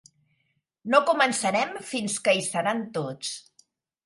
No començarem fins que hi seran tots.